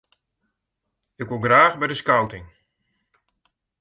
Ik wol graach by de skouting.